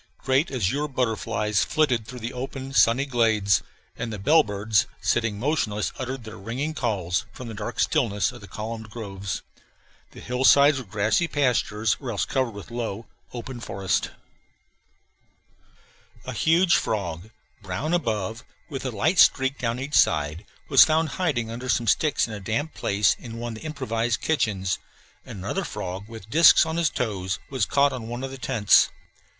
Great azure butterflies flitted through the open, sunny glades, and the bellbirds, sitting motionless, uttered their ringing calls from the dark stillness of the columned groves. The hillsides were grassy pastures or else covered with low, open forest. A huge frog, brown above, with a light streak down each side, was found hiding under some sticks in a damp place in one of the improvised kitchens; and another frog, with disks on his toes, was caught on one of the tents.